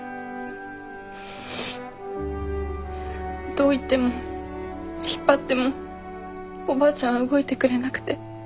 どう言っても引っ張ってもおばあちゃんは動いてくれなくて。